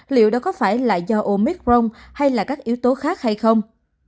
liệu đó có phải là do omicron hay là các yếu tố khác hay không